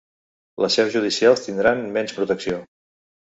Les seus judicials tindran menys protecció